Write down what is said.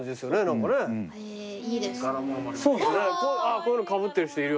こういうのかぶってる人いる。